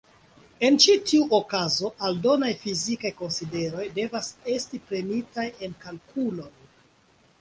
En ĉi tiu okazo aldonaj fizikaj konsideroj devas esti prenitaj en kalkulon.